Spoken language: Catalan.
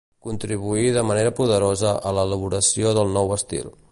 Contribuí de manera poderosa a l'elaboració del nou estil.